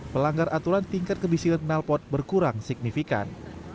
pelanggar aturan tingkat kemiskinan kenalpot berkurang signifikan